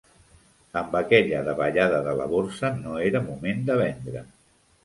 Amb aquella davallada de la borsa no era moment de vendre.